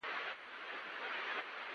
• کارګرانو له کلیو ښارونو ته ولاړل.